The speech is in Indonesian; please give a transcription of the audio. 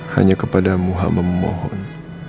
hanya kepadamu hama memohon